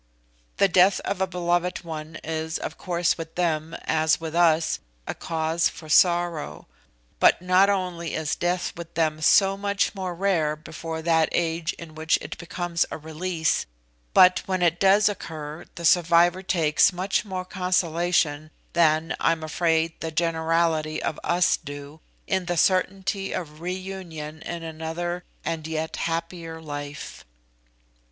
The death of a beloved one is of course with them, as with us, a cause for sorrow; but not only is death with them so much more rare before that age in which it becomes a release, but when it does occur the survivor takes much more consolation than, I am afraid, the generality of us do, in the certainty of reunion in another and yet happier life.